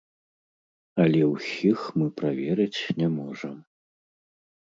Але ўсіх мы праверыць не можам.